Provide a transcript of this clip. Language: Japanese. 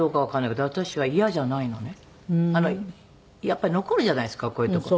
やっぱり残るじゃないですかこういうとこに。